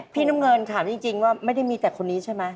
พี่น้ำเงินถามจริงว่าไม่ได้มีแต่คนนี้ใช่ไหม